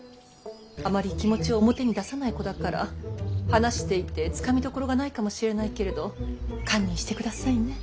あまり気持ちを表に出さない子だから話していてつかみどころがないかもしれないけれど堪忍してくださいね。